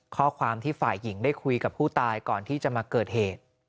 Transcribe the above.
ข้อความที่ฝ่ายหญิงได้คุยกับผู้ตายก่อนที่จะมาเกิดเหตุ